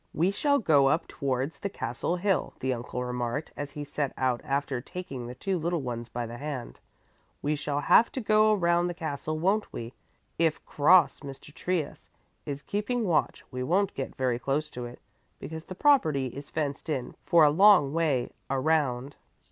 "We shall go up towards the castle hill," the uncle remarked as he set out after taking the two little ones by the hand. "We shall have to go around the castle, won't we? If cross Mr. Trius is keeping watch, we won't get very close to it, because the property is fenced in for a long way around."